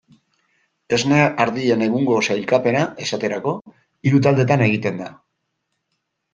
Esne ardien egungo sailkapena, esaterako, hiru taldetan egiten da.